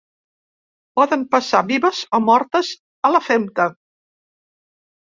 Poden passar vives o mortes a la femta.